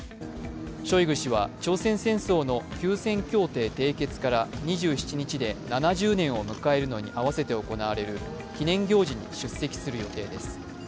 ショイグ氏は朝鮮戦争の休戦協定締結から２７日で７０年を迎えるのに合わせて行われる記念行事に出席する予定です。